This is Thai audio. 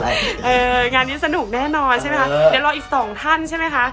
งานนี้สนุกแน่นอนใช่ไหมคะเดี๋ยวรออีกสองท่านใช่ไหมคะ